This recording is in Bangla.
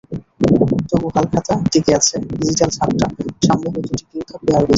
তবু হালখাতা টিকে আছে, ডিজিটাল ঝাপটা সামলে হয়তো টিকেও থাকবে আরও কিছুদিন।